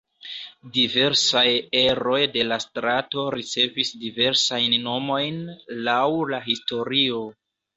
Diversaj eroj de la strato ricevis diversajn nomojn laŭ la historio.